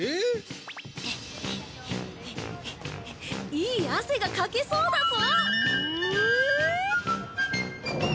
いい汗がかけそうだぞ！